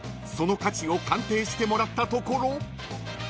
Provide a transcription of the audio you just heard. ［その価値を鑑定してもらったところ］